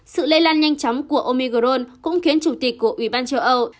sự lây lan nhanh chóng của omicron cũng khiến chủ tịch của ủy ban châu âu